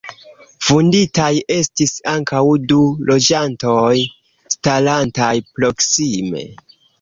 Vunditaj estis ankaŭ du loĝantoj starantaj proksime.